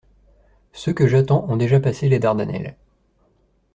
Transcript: Ceux que j'attends ont déjà passé les Dardannelles.